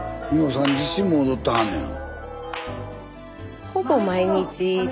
さん自身も踊ってはんねや。